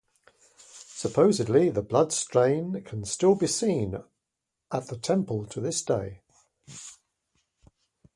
Supposedly, the blood stain can still be seen at the temple to this day.